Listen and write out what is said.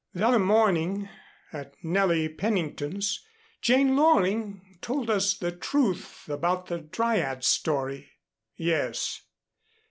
"The other morning at Nellie Pennington's, Jane Loring told us the truth about the Dryad story." "Yes."